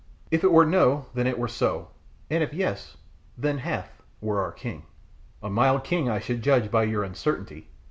If it were no then it were so, and if yes then Hath were our king." "A mild king I should judge by your uncertainty.